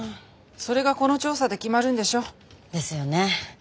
それがこの調査で決まるんでしょ。ですよね。